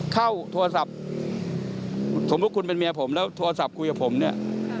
เข้าโทรศัพท์สมมุติคุณเป็นเมียผมแล้วโทรศัพท์คุยกับผมเนี่ย